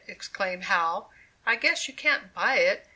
exclaimed Howell; "I guess you can't buy it!